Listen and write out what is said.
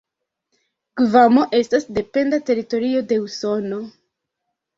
Gvamo estas dependa teritorio de Usono.